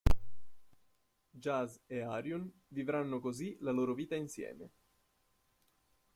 Jazz e Arjun vivranno così la loro vita insieme.